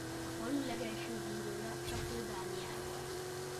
A falu legelső bírója Csapó Dániel volt.